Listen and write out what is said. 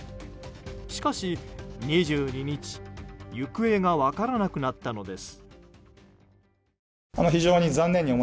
しかし、２２日行方が分からなくなったのです。